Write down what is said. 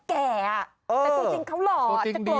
แต่ตัวจริงเขาหล่อจะโกรธตรงนี้เลย